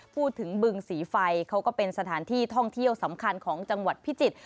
บึงสีไฟเขาก็เป็นสถานที่ท่องเที่ยวสำคัญของจังหวัดพิจิตร